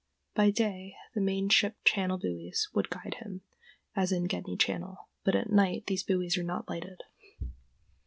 By day the main ship channel buoys would guide him, as in Gedney Channel, but at night these buoys are not lighted.